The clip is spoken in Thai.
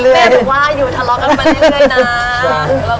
แม่บอกว่าอยู่ทะเลาะกันมาเรื่อยนะ